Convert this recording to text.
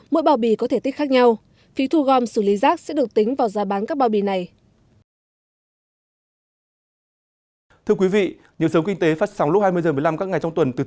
mỗi bào bì có thể tích khác nhau phí thu gom xử lý rác sẽ được tính vào giá bán các bào bì này